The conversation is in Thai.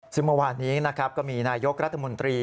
ซึ่งเมื่อวานนี้นะครับก็มีนายกรัฐมนตรี